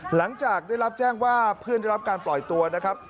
หลังจากได้รับแจ้งว่าเพื่อนได้รับการปล่อยตัวนะครับ